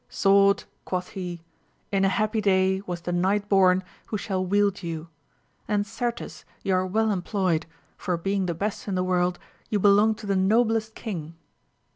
Sword ! quoth he, in a happy day was the knight bom who shall wield you ! and certes you are well employed, for being the best in the world, you belong to the noblest king